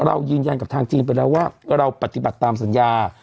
เรายืนยันกับทางจีนไปแล้วว่าเราปฏิบัติตามสัญญา